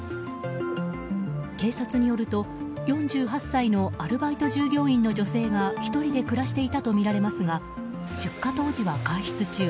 警察によると、４８歳のアルバイト従業員の女性が１人で暮らしていたとみられますが出火当時は外出中。